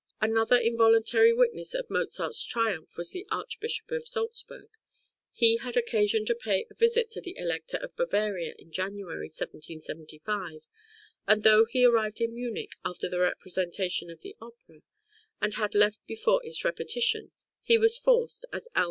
Another involuntary witness of Mozart's triumph was the Archbishop of Salzburg. He had occasion to pay a visit to the Elector of Bavaria in January, 1775, and though he arrived in Munich after the representation of the opera, and had left before its repetition, he was forced, as L.